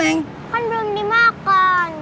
enak dong enak dong